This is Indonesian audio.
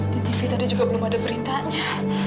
di tv tadi juga belum ada beritanya